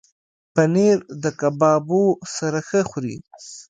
پنېر د کبابو سره ښه خوري.